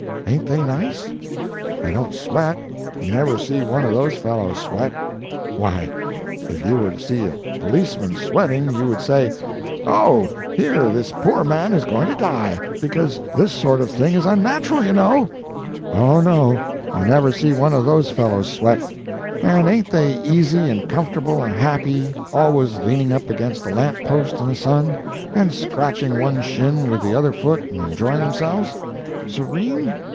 —ain't they nice? They don't sweat—you never see one of those fellows sweat. Why, if you were to see a policeman sweating you would say, "oh, here, this poor man is going to die—because this sort of thing is unnatural, you know." Oh, no—you never see one of those fellows sweat. And ain't they easy and comfortable and happy—always leaning up against a lamp post in the sun, and scratching one shin with the other foot and enjoying themselves? Serene?